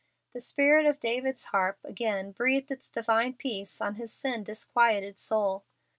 The spirit of David's harp again breathed its divine peace on his sin disquieted soul.